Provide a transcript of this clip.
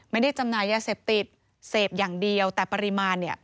ไม่ได้จำนายยาเสพติดเสพอย่างเดียวแต่ปริมาณ